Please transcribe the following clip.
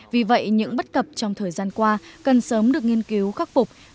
vì vậy những bất cập trong thời gian qua cần sớm được nghiên cứu khắc phục